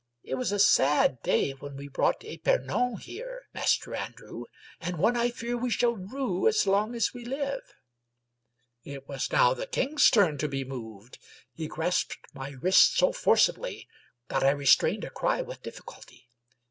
It was a sad day when we brought Epernon here. Master Andrew ; and one I fear we shall rue as long as we live." It was now the king's turn to be moved. He grasped my wrist so forcibly that I restrained a cry with difficulty.